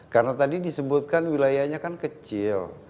karena tadi disebutkan wilayahnya kan kecil